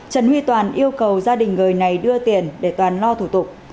trần huy toàn yêu cầu gia đình người này đưa tiền để toàn lo thủ tục